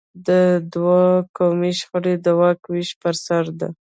د دوی قومي شخړه د واک د وېش پر سر ده.